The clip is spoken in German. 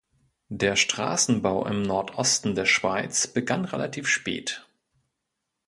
Der Strassenbau im Nordosten der Schweiz begann relativ spät.